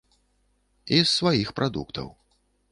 І з сваіх прадуктаў.